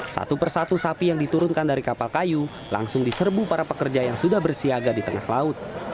satu persatu sapi yang diturunkan dari kapal kayu langsung diserbu para pekerja yang sudah bersiaga di tengah laut